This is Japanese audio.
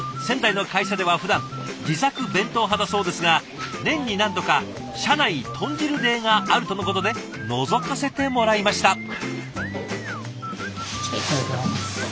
仙台の会社ではふだん自作弁当派だそうですが年に何度か社内豚汁デーがあるとのことでのぞかせてもらいました。